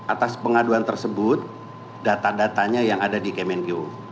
atas pengaduan tersebut data datanya yang ada di kemenkyu